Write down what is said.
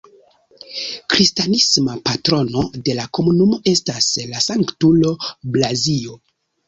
Kristanisma patrono de la komunumo estas la sanktulo Blazio.